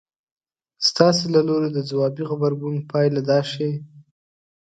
ستاسې له لوري د ځوابي غبرګون پايله دا شي.